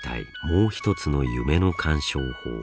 もう一つの夢の鑑賞法。